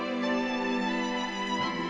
kita sendiri kan